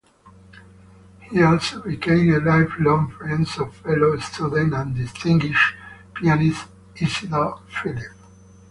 He also became a lifelong friend of fellow student and distinguished pianist Isidor Philipp.